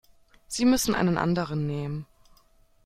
Sie müssen einen anderen nehmen.